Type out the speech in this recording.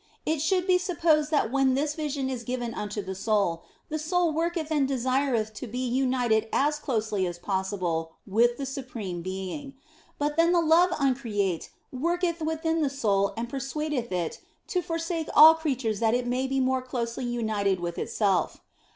It should be supposed that when this vision is given unto the soul, the soul worketh and desireth to be united as closely as possible with the Supreme Being ; but then the love uncreate worketh within the soul and persuadeth it to forsake all creatures that it may be more closely united with itself.